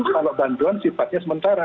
kalau bantuan sifatnya sementara